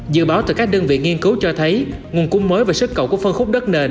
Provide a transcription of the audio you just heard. dự báo từ các đơn vị nghiên cứu cho thấy nguồn cung mới và sức cầu của phân khúc đất nền